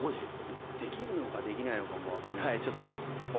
できるのかできないのかも分かんないし。